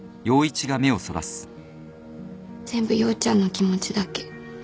全部陽ちゃんの気持ちだけ。